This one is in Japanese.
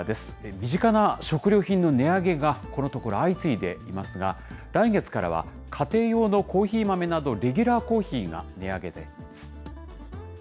身近な食料品の値上げが、このところ相次いでいますが、来月からは、家庭用のコーヒー豆などレギュラーコーヒーが値上げです。